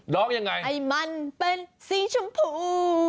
ร้องยังไงให้มันเป็นสีชมพู